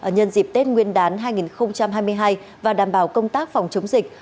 nhân dịp tết nguyên đán hai nghìn hai mươi hai và đảm bảo công tác phòng chống dịch